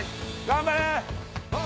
頑張れ！